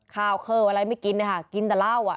คาวเคอวันไรไม่กินนะคะกินแต่เหล้าอะ